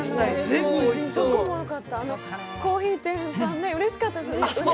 どこもよかった、コーヒー店さんね、うれしかった。